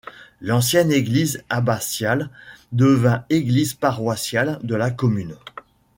L'ancienne église abbatiale devint église paroissiale de la commune.